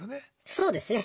そうですね